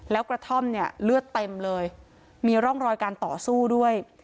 แล้วกระท่อมเนี่ยเลือดเต็มเลยมีร่องรอยการต่อสู้ด้วย